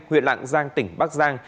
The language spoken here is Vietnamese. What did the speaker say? huyện lạng giang tỉnh bắc giang